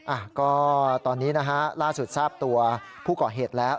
อ่ะก็ตอนนี้นะฮะล่าสุดทราบตัวผู้ก่อเหตุแล้ว